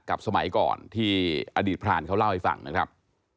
สมัยก่อนที่อดีตพรานเขาเล่าให้ฟังนะครับ